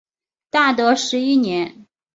大德十一年。